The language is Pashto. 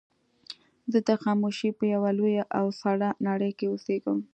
زه د خاموشۍ په يوه لويه او سړه نړۍ کې اوسېږم.